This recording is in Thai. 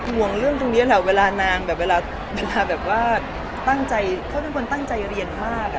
ห่วงเรื่องตรงนี้แหละเวลานางแบบเวลาแบบว่าตั้งใจเขาเป็นคนตั้งใจเรียนมาก